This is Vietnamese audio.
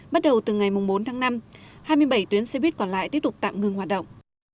bắt đầu từ ngày bốn tháng năm hai mươi bảy tuyến xe buýt còn lại tiếp tục tạm ngưng hoạt động